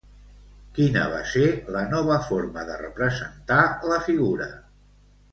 Quina va ser la nova forma de representar la figura?